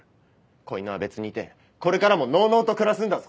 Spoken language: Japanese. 子犬は別にいてこれからものうのうと暮らすんだぞ。